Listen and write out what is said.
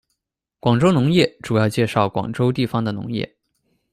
广州农业，主要介绍广州地方的农业。